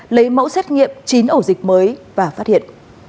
lấy mẫu xét nghiệm chín ổ dịch mới và phát hiện